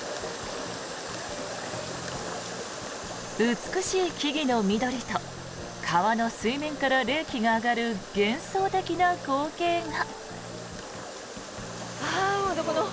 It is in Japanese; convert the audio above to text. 美しい木々の緑と川の水面から冷気が上がる幻想的な光景が。